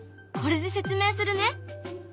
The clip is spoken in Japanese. これで説明するね。